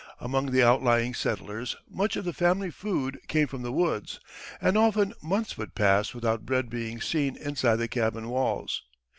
Among the outlying settlers much of the family food came from the woods, and often months would pass without bread being seen inside the cabin walls.